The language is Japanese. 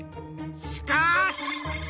しかし！